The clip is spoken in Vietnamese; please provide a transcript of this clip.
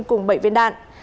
cùng bảy viên đạn